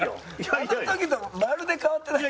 あの時とまるで変わってない。